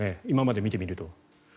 今までを見てみると。